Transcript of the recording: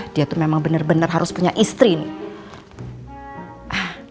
dia tuh memang benar benar harus punya istri nih